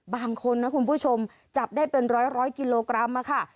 บางคนนะคุณผู้ชมจับได้เป็นร้อยกิโลกรัมค่ะ